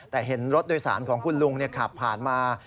แต่เห็นรถโดยสารของคุณลุงขับผ่านมา